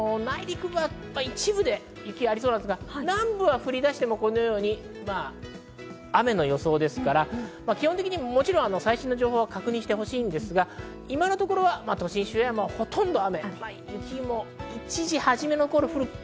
内陸部は一部で雪がありそうですが、南部は降り出しても雨の予想ですから、基本的にもちろん最新の情報は確認してほしいのですが、今のところは都心周辺はほとんど雨。